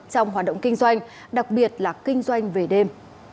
trong hoạt động kinh doanh đặc biệt là kinh doanh về đêm